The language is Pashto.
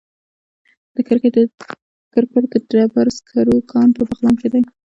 د کرکر د ډبرو سکرو کان په بغلان کې دی